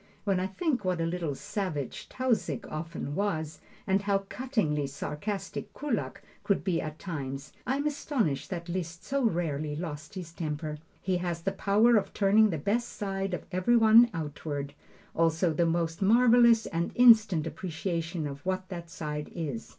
When I think what a little savage Tausig often was, and how cuttingly sarcastic Kullak could be at times, I am astonished that Liszt so rarely lost his temper. He has the power of turning the best side of every one outward, also the most marvelous and instant appreciation of what that side is.